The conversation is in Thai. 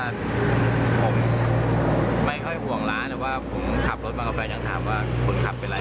นี่ค่ะ